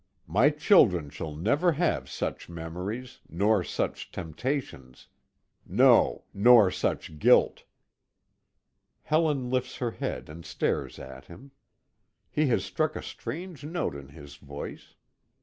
My children shall never have such memories nor such temptations no, nor such guilt." Helen lifts her head and stares at him. He has struck a strange note in his voice.